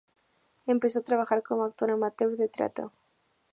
Empezó a trabajar como actor amateur de teatro.